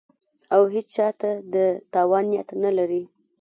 او هېچا ته د تاوان نیت نه لري